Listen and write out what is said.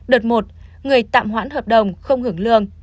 đợt một người tạm hoãn hợp đồng không hưởng lương